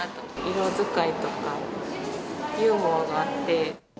色使いとか、ユーモアがあって。